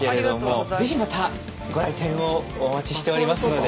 ぜひまたご来店をお待ちしておりますので。